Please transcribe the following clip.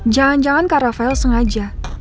jangan jangan kak rafael sengaja